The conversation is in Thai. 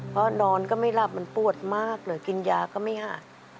เพราะนอนก็ไม่หลับมันปวดมากหรือกินยาก็ไม่หาย